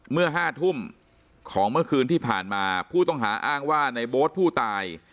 เมื่อ๕ทุ่มของเมื่อคืนที่ผ่านมาผู้ต้องหาอ้างว่าในโบ๊ทผู้ตาย